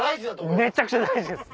めちゃくちゃ大事です。